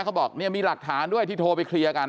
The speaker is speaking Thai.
เขาบอกเนี่ยมีหลักฐานด้วยที่โทรไปเคลียร์กัน